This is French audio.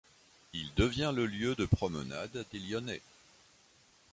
Il devient le lieu de promenade des Lyonnais.